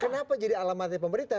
kenapa jadi alamatnya pemerintah